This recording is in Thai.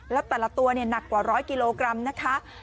แล้วแต่ละตัวหนักกว่า๑๐๐กิโลกรัมนะคะ